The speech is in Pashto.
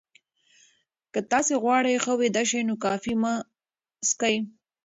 که تاسي غواړئ ښه ویده شئ، نو کافي مه څښئ.